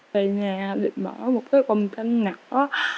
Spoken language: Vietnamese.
tại nhà định mở một cái phòng tranh nặng đó